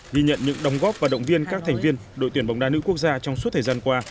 ghi nhận những đồng góp và động viên các thành viên đội tuyển bóng đá nữ quốc gia trong suốt thời gian qua